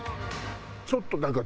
ちょっとだから。